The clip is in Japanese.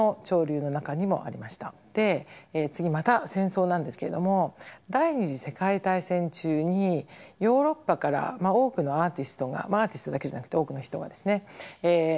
で次また戦争なんですけれども第２次世界大戦中にヨーロッパから多くのアーティストがまあアーティストだけじゃなくて多くの人がですね